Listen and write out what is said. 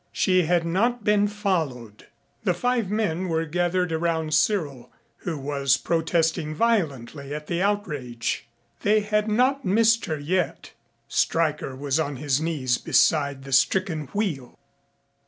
She had not been followed. The five men were gathered around Cyril, who was protesting violently at the outrage. They had not missed her yet. Stryker was on his knees beside the stricken wheel.